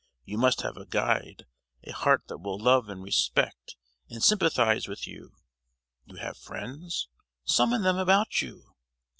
You must have a guide, a heart that will love and respect, and sympathize with you! You have friends; summon them about you!